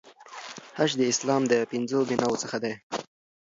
حج د اسلام د پنځو بناوو څخه دی.